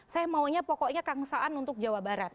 saya maunya pokoknya kangsaan untuk jawa barat